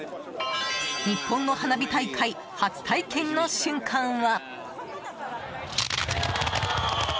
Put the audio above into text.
日本の花火大会初体験の瞬間は。